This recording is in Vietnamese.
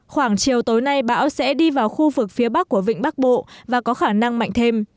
khoảng chiều tối nay bão sẽ đi vào khu vực phía bắc của vịnh bắc bộ và có khả năng mạnh thêm